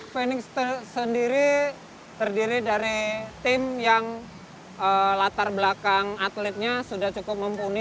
fenix sendiri terdiri dari tim yang latar belakang atletnya sudah cukup mumpuni